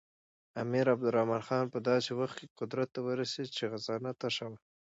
امیر عبدالرحمن خان په داسې وخت کې قدرت ته ورسېد چې خزانه تشه وه.